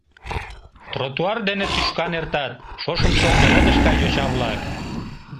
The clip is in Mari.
Тротуар дене тӱшкан эртат шошымсо пеледыш гай йоча-влак.